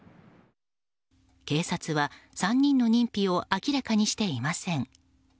警察は３人の認否を明らかにしていません。